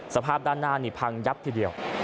สภาพด้านหน้านี่พังยับทีเดียว